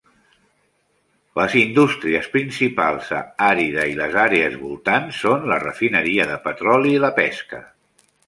Les indústries principals a Arida i les àrees voltants són la refineria de petroli i la pesca.